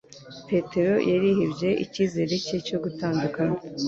Petero yarihebye, icyizere cye cyo gutandukana